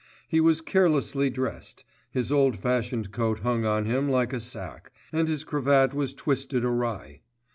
He was carelessly dressed; his old fashioned coat hung on him like a sack, and his cravat was twisted awry.